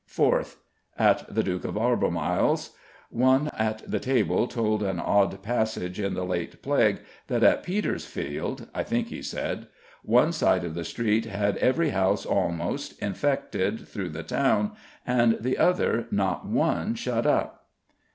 4th: (At the Duke of Albemarle's.) One at the table told an odd passage in the late plague, that at Petersfield (I think he said) one side of the street had every house almost infected through the town, and the other not one shut up.